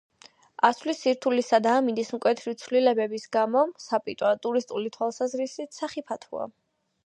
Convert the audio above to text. ასვლის სირთულისა და ამინდის მკვეთრი ცვლილებების გამო საპიტვა ტურისტული თვალსაზრისით სახიფათოა.